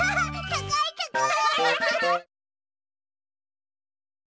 たかいたかい！